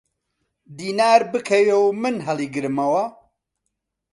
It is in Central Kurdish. دینار بکەوێ و من هەڵیگرمەوە!